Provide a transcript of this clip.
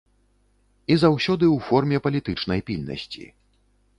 І заўсёды ў форме палітычнай пільнасці.